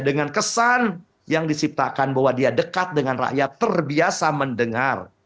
dengan kesan yang diciptakan bahwa dia dekat dengan rakyat terbiasa mendengar